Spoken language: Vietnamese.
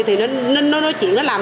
thì nó nói chuyện nó làm